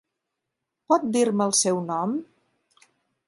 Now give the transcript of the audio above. Pot dir-me el seu nom?